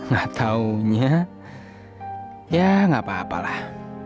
gak taunya ya nggak apa apa lah